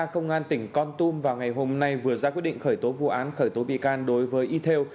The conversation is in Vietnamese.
công an tỉnh con tum vào ngày hôm nay vừa ra quyết định khởi tố vụ án khởi tố bị can đối với y theo